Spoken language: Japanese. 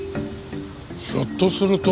ひょっとすると。